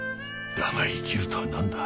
だが生きるとは何だ。